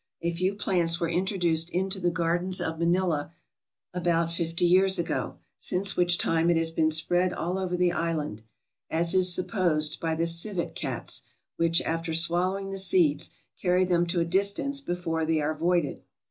A few plants were introduced into the gardens of Manila about fifty years ago, since which time it has been spread all over the island, as is supposed, by the civet cats, which, after swallowing the seeds, carry them to a distance before they are voided.